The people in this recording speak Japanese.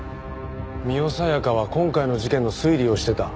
深世小夜香は今回の事件の推理をしてた。